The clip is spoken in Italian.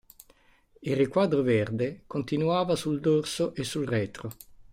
Il riquadro verde continuava sul dorso e sul retro.